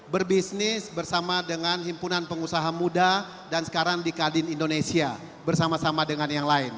berbisnis bersama dengan himpunan pengusaha muda dan sekarang di kadin indonesia bersama sama dengan yang lain